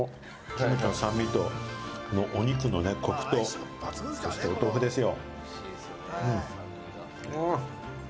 キムチの酸味とお肉のコクと、そしてお豆腐ですよ。